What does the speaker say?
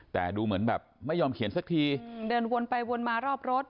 แต่ดูเหมือนแบบไม่ยอมเขียนสักทีเดินวนไปวนมารอบรถ